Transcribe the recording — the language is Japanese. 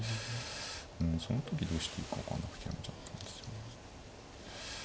うんその時どうしていいか分かんなくてやめちゃったんですよね。